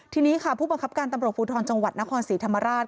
ทีนี้ค่ะผู้บังคับการตำรวจภูทรจังหวัดนครศรีธรรมราช